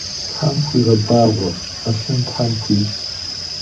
Тхьэм пхуигъэбагъуэ, ӏэщын тхьэм пхуищӏ.